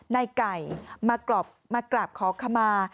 ในไก่มากราบขอขมา